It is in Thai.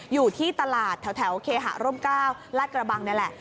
อยู่ที่ตลาดแถวเคหาร่ม๙ลาดกระบังนี่แหละ